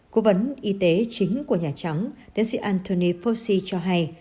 cố vấn y tế chính của nhà trắng tiến sĩ anthony fossey cho hay